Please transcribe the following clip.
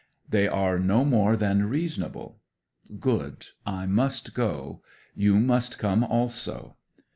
They are no more than reasonable. Good. I must go. You must come also."